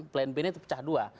plan b nya itu pecah dua